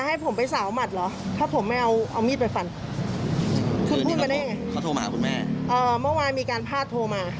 แต่พอคุยกับแม่เสร็จแล้วแม่ก็เลยบอกไปว่าเนี่ยแม่เป็นแม่ของผู้เสียหาย